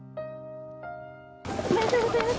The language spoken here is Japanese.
おめでとうございます。